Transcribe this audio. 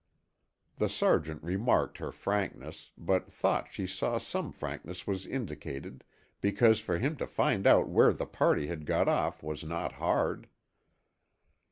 The sergeant remarked her frankness, but thought she saw some frankness was indicated, because for him to find out where the party had got off was not hard.